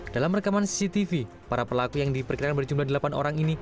dalam rekaman cctv para pelaku yang diperkirakan berjumlah delapan orang ini